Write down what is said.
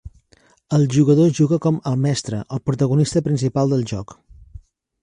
El jugador juga com "El Mestre", el protagonista principal del joc.